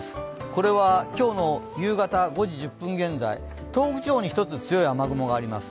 これは今日の夕方の５時１０分現在東北地方に、強い雨雲が１つあります。